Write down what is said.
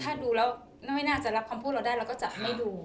ถ้าดูแล้วไม่น่าจะรับคำพูดเราได้เราก็จะไม่ดู